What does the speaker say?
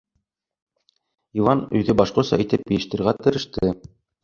Иван өйҙө башҡортса итеп йыйыштырырға тырышты.